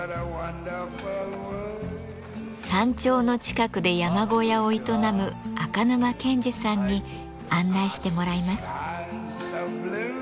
山頂の近くで山小屋を営む赤沼健至さんに案内してもらいます。